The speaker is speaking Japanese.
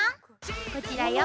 こちらよ。